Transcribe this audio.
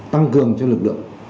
tăng cường cho lực lượng